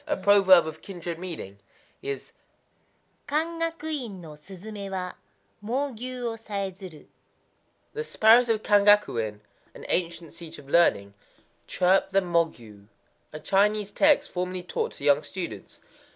A proverb of kindred meaning is, Kangaku In no suzumé wa, Mōgyū wo sayézuru: "The sparrows of Kangaku In [an ancient seat of learning] chirp the Mōgyū,"—a Chinese text formerly taught to young students.